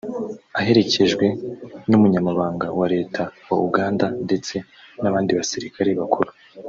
aherekejwe n’umunyamabanga wa Leta wa Uganda ndetse n’abandi basirikare bakuru